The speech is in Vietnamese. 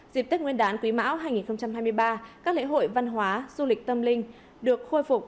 dịp tết nguyên đán quý mão hai nghìn hai mươi ba các lễ hội văn hóa du lịch tâm linh được khôi phục